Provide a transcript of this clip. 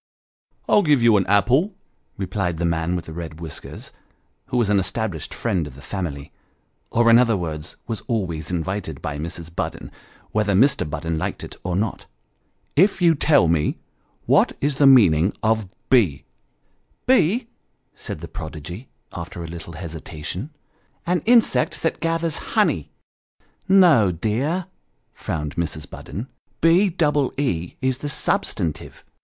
" I'll give you an apple," replied the man with the red whiskers, who was an established friend of the family, or in other words was always invited by Mrs. Budden, whether Mr. Budden liked it or not, " if you'll tell me what is the meaning of be" " Be ?" said the prodigy, after a little hesitation " an insect that gathers honey." " No, dear," frowned Mrs. Budden ;" B double E is the substantive."